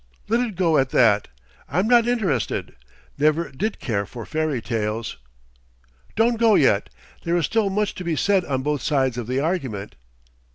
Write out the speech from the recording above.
Let it go at that. I'm not interested never did care for fairy tales." "Don't go yet. There is still much to be said on both sides of the argument."